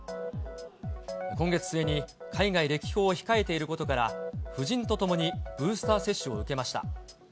今月末に海外歴訪を控えていることから、夫人と共にブースター接種を受けました。